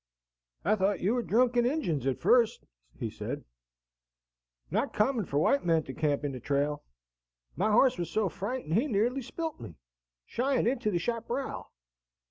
"I thought you were drunken Injuns at first," said he. "Not common for white men to camp in the trail. My horse was so frightened he nearly spilt me, shying into the chaparral."